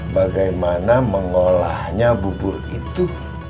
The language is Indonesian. bagaimana mengolahnya bubur itu